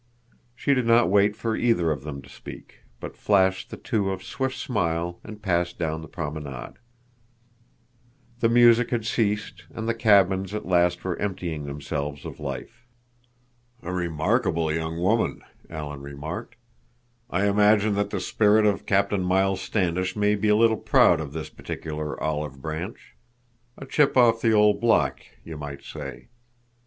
She did not wait for either of them to speak, but flashed the two a swift smile and passed down the promenade. The music had ceased and the cabins at last were emptying themselves of life. "A remarkable young woman," Alan remarked. "I imagine that the spirit of Captain Miles Standish may be a little proud of this particular olive branch. A chip off the old block, you might say.